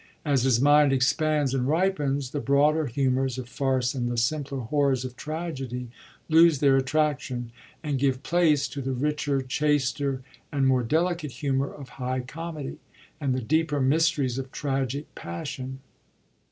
As his mind ex pands and ripens, the broader humours of farce and the simpler horrors of tragedy lose their attraction, and give place to the richer, chaster, and more delicate humour of high comedy, and the deeper mysteries of tragic passion.